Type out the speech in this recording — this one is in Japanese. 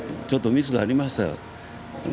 ちょっとミスがありました。